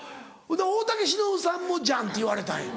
大竹しのぶさんもじゃんって言われたんや。